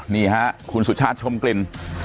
นี่ฮะคุณสุชาติชมกลิ่น